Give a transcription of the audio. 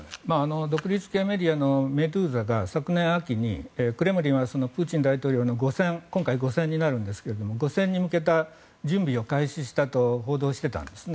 独立系メディアのメドゥーザが昨年秋にクレムリンはプーチン大統領の５選今回５選になるんですが５選に向けた準備を開始したと報道していたんですね。